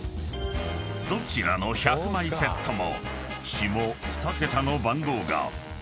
［どちらの１００枚セットも］